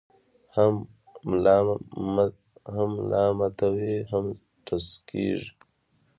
هم ملامته وي، هم ټسکېږي.